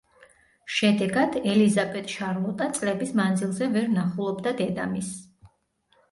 შედეგად, ელიზაბეტ შარლოტა წლების მანძილზე ვერ ნახულობდა დედამისს.